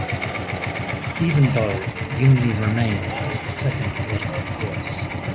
Even though, Unity remained as the second political force.